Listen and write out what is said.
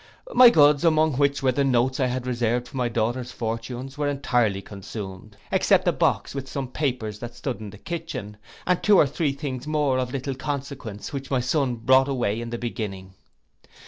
My goods, among which were the notes I had reserved for my daughters' fortunes, were entirely consumed, except a box, with some papers that stood in the kitchen, and two or three things more of little consequence, which my son brought away in the beginning.